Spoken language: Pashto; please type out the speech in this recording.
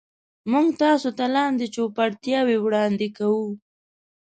موږ تاسو ته لاندې چوپړتیاوې وړاندې کوو.